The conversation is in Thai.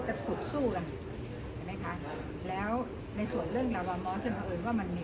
จะขุดสู้กันเห็นไหมคะแล้วในส่วนเรื่องมันมีคนพักมา